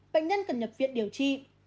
bệnh nhân cần nhập viện điều trị